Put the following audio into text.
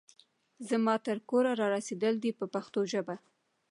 زما تر کوره را رسېدلي دي په پښتو ژبه.